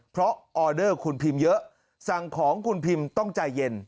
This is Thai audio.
เพราะออเดอร์คุณพิมพ์เยอะสั่งของคุณพิมพ์ต้องใจเย็น